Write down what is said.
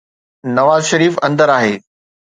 نواز شريف اندر آهي.